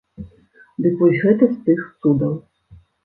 Дык вось гэта з тых цудаў.